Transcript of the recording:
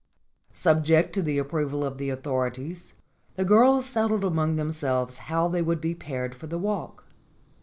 Subject to the approval of the authorities, the girls settled among themselves how they would be paired for the walk.